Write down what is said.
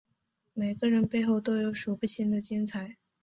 每个人背后都有数不清的精彩